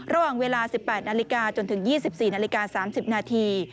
ระหว่างเวลา๑๘นาฬิกาจนถึง๒๔นาฬิกา๓๐นาที